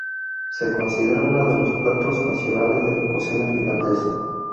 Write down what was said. Se considera uno de los platos nacionales de la cocina finlandesa.